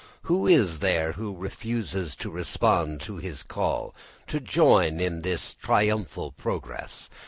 Who is there who refuses to respond to his call to join in this triumphal progress?